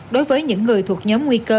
đối với những người thuộc nhóm nguy cơ